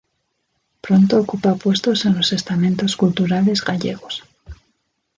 Pronto ocupa puestos en los estamentos culturales gallegos.